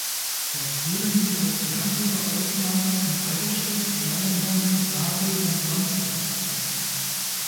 Dort wurden sie auf die Hamburger Außenlager in Eidelstedt, Langenhorn, Sasel und Wandsbek verteilt.